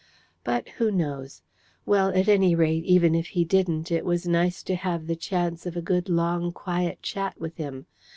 But who knows? Well, at any rate, even if he didn't, it was nice to have the chance of a good long, quiet chat with him.